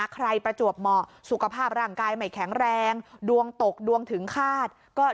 ประจวบเหมาะสุขภาพร่างกายไม่แข็งแรงดวงตกดวงถึงคาดก็